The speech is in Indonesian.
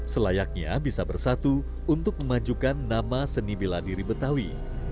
selayaknya bisa bersatu untuk memajukan nama seni beladiri betawi